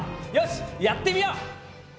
よしやってみよう！